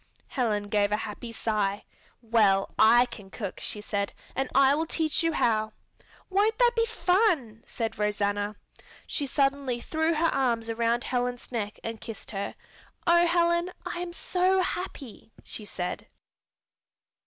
Helen gave a happy sigh. "Well, I can cook," she said, "and I will teach you how." "Won't that be fun!" said Rosanna. She suddenly threw her arms around Helen's neck and kissed her. "Oh, Helen, I am so happy," she said.